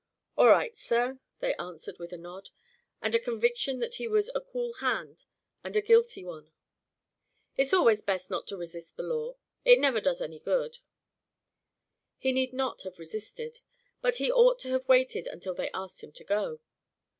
"All right, sir," they answered with a nod, and a conviction that he was a cool hand and a guilty one. "It's always best not to resist the law it never does no good." He need not have resisted, but he ought to have waited until they asked him to go.